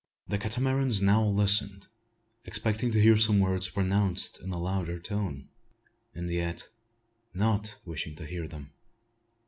The Catamarans now listened, expecting to hear some words pronounced in a louder tone; and yet not wishing to hear them.